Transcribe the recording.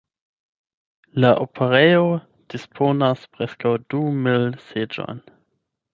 La operejo disponas preskaŭ du mil seĝojn.